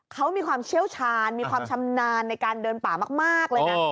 เขามีความเชี่ยวชาญมีความชำนาญในการเดินป่ามากเลยนะ